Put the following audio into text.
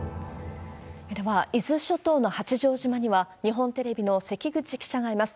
では、伊豆諸島の八丈島には、日本テレビの関口記者がいます。